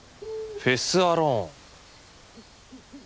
「フェス・アローン！」。